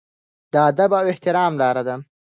د ادب او احترام لاره.